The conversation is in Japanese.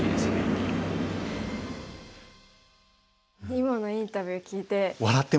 今のインタビューを聞いて。